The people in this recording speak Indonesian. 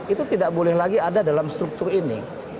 itu tidak boleh lagi ada dalam struktur ini